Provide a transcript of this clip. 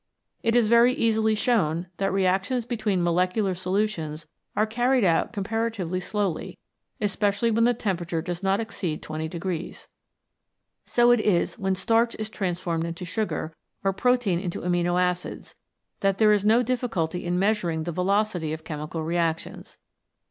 It is very easily shown that reactions between molecular solutions are carried out comparatively slowly, especially when the temperature does not exceed 20 degrees. So it is when starch is trans formed into sugar, or protein into amino acids, that there is no difficulty in measuring the velocity of chemical reactions.